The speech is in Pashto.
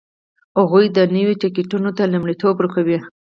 هغوی نویو تکتیکونو ته لومړیتوب ورکوي